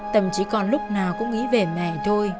tầm chỉ còn lúc nào cũng nghĩ về mẹ thôi